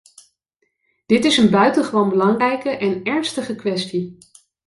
Dit is een buitengewoon belangrijke en ernstige kwestie.